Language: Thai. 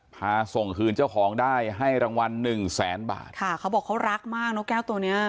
พาส่งคืนเจ้าของได้ให้รางวัลหนึ่งแสนบาทค่ะเขาบอกเขารักมากนกแก้วตัวเนี้ย